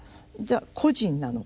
個人なのか。